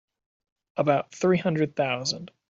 About three hundred thousand.